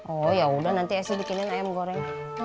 oh yaudah nanti esy bikinin ayam goreng